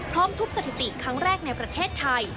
ทุบสถิติครั้งแรกในประเทศไทย